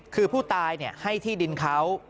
คือผู้ตายให้ที่ดินเขา